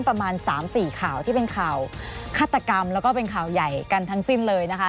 ประมาณ๓๔ข่าวที่เป็นข่าวฆาตกรรมแล้วก็เป็นข่าวใหญ่กันทั้งสิ้นเลยนะคะ